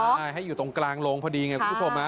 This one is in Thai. ใช่ให้อยู่ตรงกลางโรงพอดีไงคุณผู้ชม